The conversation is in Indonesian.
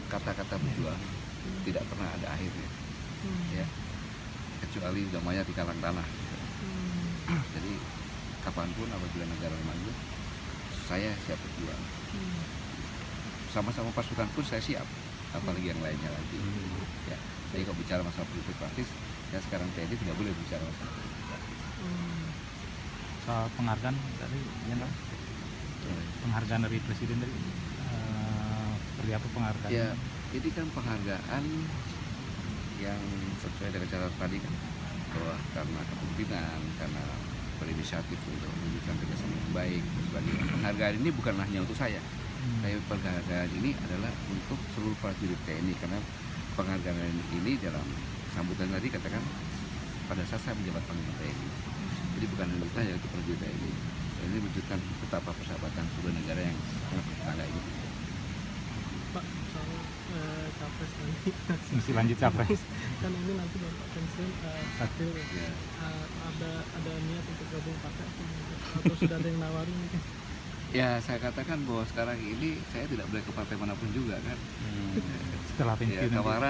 karena setelah sekaligus diterikan pemerintahan dan presiden di sumatera